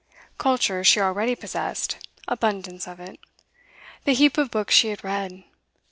'Culture' she already possessed, abundance of it. The heap of books she had read!